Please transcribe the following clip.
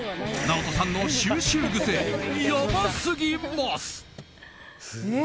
ＮＡＯＴＯさんの収集癖やばすぎます！